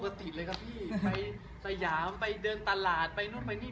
ติดเลยครับพี่ไปสยามไปเดินตลาดไปนู่นไปนี่